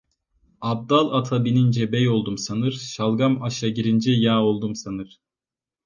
Abdal ata binince bey oldum sanır, şalgam aşa girince yağ oldum sanır.